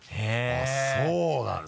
あっそうなんだ。